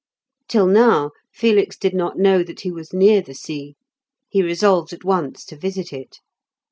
Till now, Felix did not know that he was near the sea; he resolved at once to visit it.